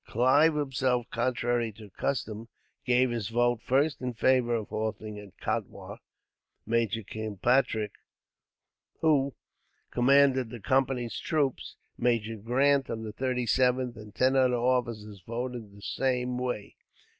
Clive himself, contrary to custom, gave his vote first in favour of halting at Katwa. Major Kilpatrick, who commanded the Company's troops, Major Grant of the 37th, and ten other officers voted the same way.